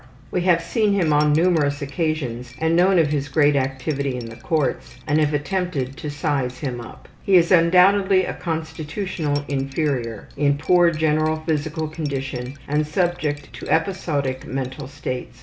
We have seen him on numerous occasions and known of his great activity in the courts, and have attempted to size him up. He is undoubtedly a constitutional inferior, in poor general physical condition and subject to episodic mental states.